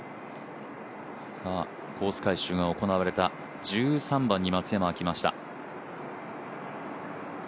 コース改修が行われた１３番に松山が来ました。